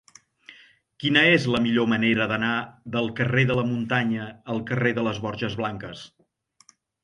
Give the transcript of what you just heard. Quina és la millor manera d'anar del carrer de la Muntanya al carrer de les Borges Blanques?